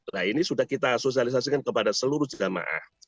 nah ini sudah kita sosialisasikan kepada seluruh jamaah